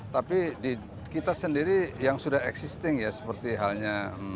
tapi kita sendiri yang sudah existing ya seperti halnya